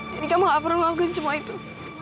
jadi kamu gak perlu ngelupin semua itu